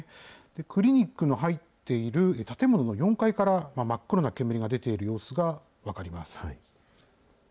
クリニックの入っている建物の４階から真っ黒な煙が出ている様子が分かります。